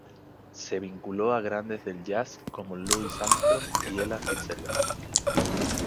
Se vinculó a grandes del jazz como Louis Armstrong y Ella Fitzgerald.